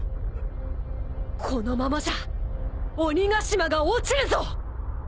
このままじゃ鬼ヶ島が落ちるぞ！